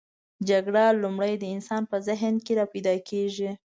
جګړه لومړی د انسان په ذهن کې راپیداکیږي.